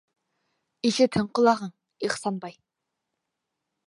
Ишетһен ҡолағың, Ихсанбай!